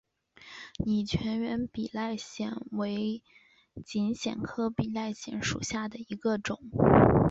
拟全缘比赖藓为锦藓科比赖藓属下的一个种。